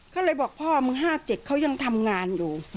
เขาเลยบอกพ่อมึง๕๗เขายังทำงานอยู่